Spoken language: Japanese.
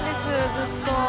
ずっと。